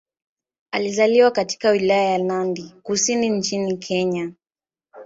Alizaliwa katika Wilaya ya Nandi Kusini nchini Kenya.